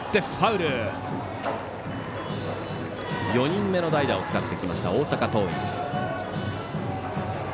４人目の代打を使ってきました大阪桐蔭。